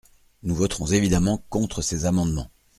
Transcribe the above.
Nous voterons évidemment contre ces amendements.